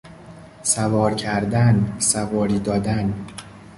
سوار کردن، سواری دادن